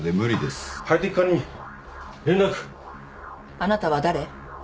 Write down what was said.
「あなたは誰？」